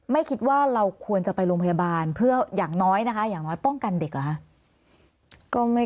ไม่คิดว่าเราควรจะไปโรงพยาบาลเพื่ออย่างน้อยนะคะอย่างน้อยป้องกันเด็กเหรอคะ